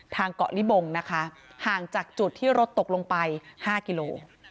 เกาะลิบงนะคะห่างจากจุดที่รถตกลงไป๕กิโล